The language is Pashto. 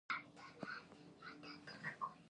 دا مبارزه د جګړې بدیل دی.